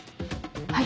はい。